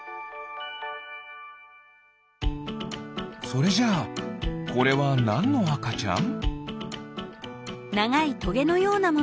それじゃあこれはなんのあかちゃん？